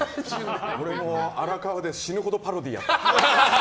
俺も荒川で死ぬほどパロディーやった。